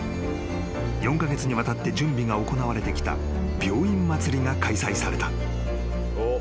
［４カ月にわたって準備が行われてきた病院まつりが開催された］